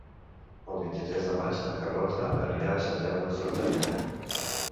El vint-i-tres de maig na Carlota anirà a Sant Jaume de Frontanyà.